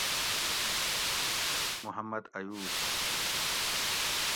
محمد ایوب